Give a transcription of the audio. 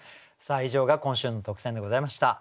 以上が今週の特選でございました。